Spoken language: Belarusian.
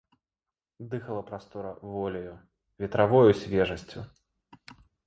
Дыхала прастора воляю, ветравою свежасцю.